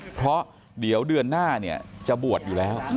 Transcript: เพราะเดี๋ยวเดือนหน้าเนี่ยจะบวชอยู่แล้ว